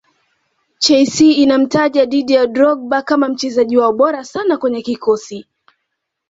chelsea inamtaja didier drogba kama mchezaji wao bora sana kwenye kikosi